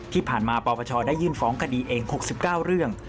ที่ผ่านมาปปชได้ยื่นฟ้องคดีเอง๖๙เรื่อง